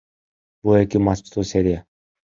Бул эки матчтуу серия.